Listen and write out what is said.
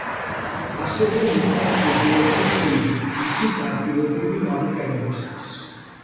ასევე მოყავთ ზოგიერთი ხილი, ისიც ადგილობრივი გამოყენებისთვის.